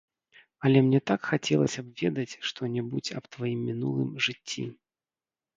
Але мне так хацелася б ведаць, што-небудзь аб тваім мінулым жыцці.